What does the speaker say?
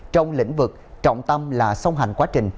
trong lĩnh vực trọng tâm là song hành quá trình